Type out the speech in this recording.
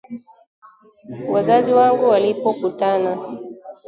Wazazi wangu walipokutana